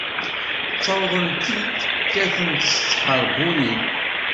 Ttawḍen-t-id, kkaten-t s tḥeṛbunin.